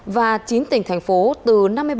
và chín tỉnh thành phố từ năm mươi bảy